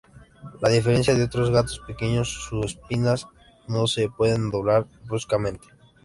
A diferencia de otros gatos pequeños, sus espinas no se pueden doblar bruscamente.